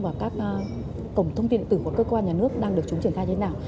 và các cổng thông tin điện tử của cơ quan nhà nước đang được chúng triển khai như thế nào